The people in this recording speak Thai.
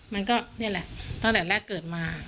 มันก็นี่แหละตั้งแต่แรกเกิดมา